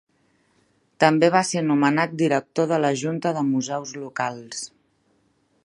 També va ser nomenat director de la junta de museus locals.